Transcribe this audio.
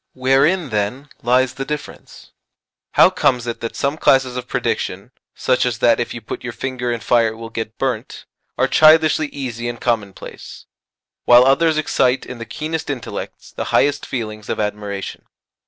Wherein, then, lies the difference? How comes it that some classes of prediction such as that if you put your finger in fire it will get burnt are childishly easy and commonplace, while others excite in the keenest intellects the highest feelings of admiration?